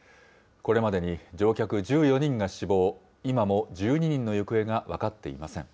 これまでに乗客１４人が死亡、今も１２人の行方が分かっていません。